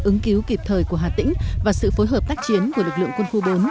ứng cứu kịp thời của hà tĩnh và sự phối hợp tác chiến của lực lượng quân khu bốn